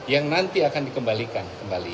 yang nanti akan dikembalikan kembali